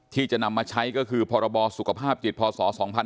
ที่จะนำมาใช้ก็คือพรบสุขภาพจิตพศ๒๕๕๙